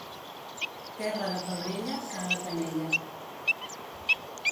Terra de pebrella, caga't en ella.